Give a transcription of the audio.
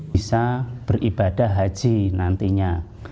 bisa beribadah haji nantinya